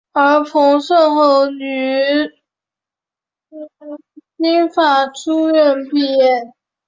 而彭顺后于新法书院毕业。